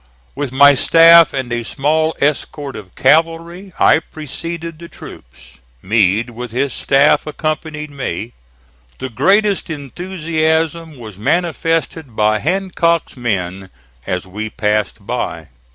With my staff and a small escort of cavalry I preceded the troops. Meade with his staff accompanied me. The greatest enthusiasm was manifested by Hancock's men as we passed by.